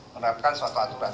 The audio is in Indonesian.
menerapkan suatu aturan